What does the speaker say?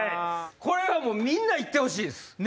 これはみんな行ってほしいです。